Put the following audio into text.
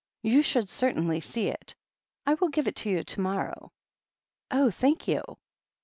You should certainly see it I will give it to you to morrow." "Oh, thank you!"